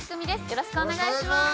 よろしくお願いします。